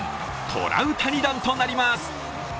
トラウタニ弾となります。